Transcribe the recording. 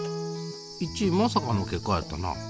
１位まさかの結果やったな。